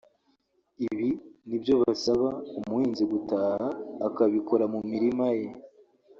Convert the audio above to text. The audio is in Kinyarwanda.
Ibi ni byo basaba umuhinzi gutaha akabikora mu mirima ye